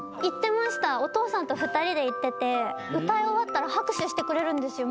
お父さんと２人で行ってて歌い終わったら拍手してくれるんですよ